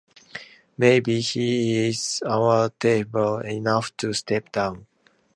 Maybe he is honourable enough to step down.